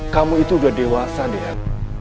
kamu itu udah dewasa dian